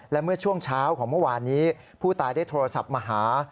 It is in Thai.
และเมื่อช่วงเช้าของเมื่อวานนี้ผู้ตายได้โทรศัพท์มาหา